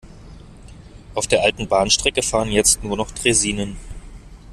Auf der alten Bahnstrecke fahren jetzt nur noch Draisinen.